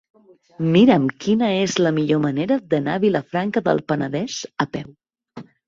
Mira'm quina és la millor manera d'anar a Vilafranca del Penedès a peu.